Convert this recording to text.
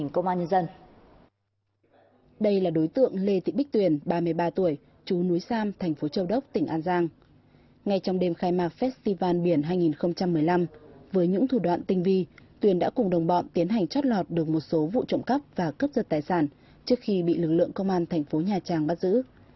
khi trong đêm khai mạc festival biển hai nghìn một mươi năm với những thủ đoạn tinh vi tuyển đã cùng đồng bọn tiến hành trót lọt được một số vụ trộm cắp và cướp giật tài sản trước khi bị lực lượng công an thành phố nhà trang bắt giữ